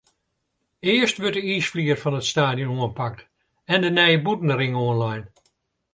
Earst wurdt de iisflier fan it stadion oanpakt en de nije bûtenring oanlein.